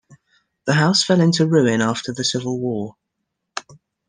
The house fell into ruin after the Civil War.